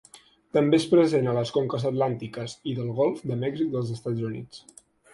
També és present a les conques atlàntiques i del golf de Mèxic dels Estats Units.